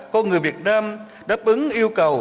còn người việt nam đáp ứng yêu cầu